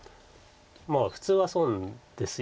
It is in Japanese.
まあ普通は損ですよね。